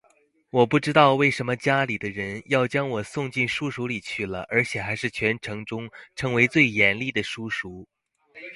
我不知道为什么家里的人要将我送进书塾里去了而且还是全城中称为最严厉的书塾